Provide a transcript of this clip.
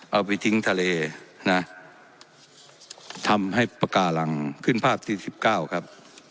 เอาไปทิ้งทะเลน่ะทำให้ประกาศลังขึ้นภาพสิบก้าวครับ